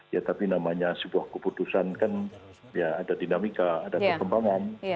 ya tapi namanya sebuah keputusan kan ya ada dinamika ada perkembangan